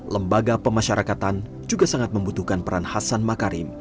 lembaga pemasyarakatan juga sangat membutuhkan peran hasan makarim